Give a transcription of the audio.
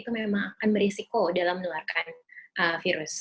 itu memang akan berisiko dalam menularkan virus